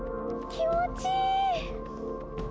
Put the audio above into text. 気持ちいい！